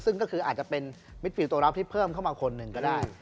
ซึ่งก็คืออาจจะเป็นมิดฟิลตัวรับที่เพิ่มเข้ามาคนหนึ่งก็ได้